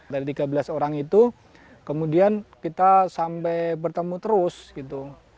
dari tiga belas orang itu kemudian kita sampai bertemu terus gitu